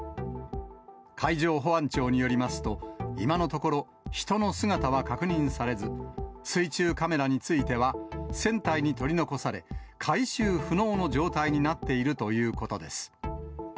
海上保安庁によりますと、今のところ、人の姿は確認されず、水中カメラについては、船体に取り残され、回収不能の状態になっているということです。